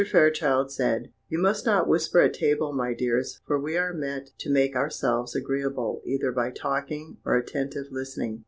Fairchild said: "You must not whisper at table, my dears, for we are met to make ourselves agreeable either by talking or attentive listening."